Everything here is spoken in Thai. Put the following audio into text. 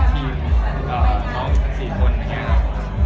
มีทีมน้องทั้ง๔คน